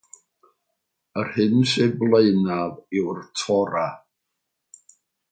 Yr hyn sydd flaenaf yw'r Torah.